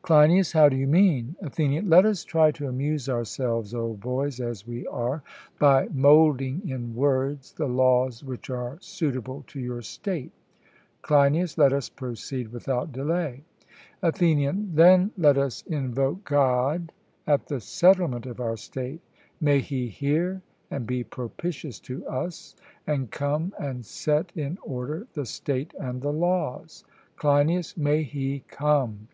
CLEINIAS: How do you mean? ATHENIAN: Let us try to amuse ourselves, old boys as we are, by moulding in words the laws which are suitable to your state. CLEINIAS: Let us proceed without delay. ATHENIAN: Then let us invoke God at the settlement of our state; may He hear and be propitious to us, and come and set in order the State and the laws! CLEINIAS: May He come!